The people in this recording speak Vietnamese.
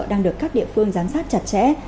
đang được các địa phương giám sát chặt chẽ